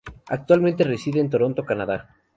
Actualmente reside en Toronto, Canadá.